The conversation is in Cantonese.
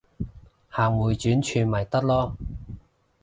行迴旋處咪得囉